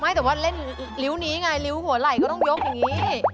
แต่ว่าเล่นริ้วนี้ไงริ้วหัวไหล่ก็ต้องยกอย่างนี้